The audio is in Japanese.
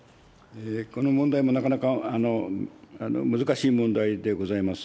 この問題もなかなか難しい問題でございます。